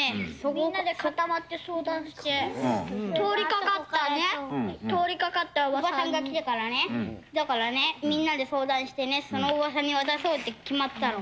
みんなで固まって相談して、通りかかったね、おばさんが来たからね、だからね、みんなで相談してね、そのおばさんに渡そうって決まったの。